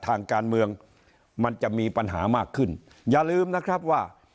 ทางการเมืองมันจะมีปัญหามากขึ้นอย่าลืมนะครับว่า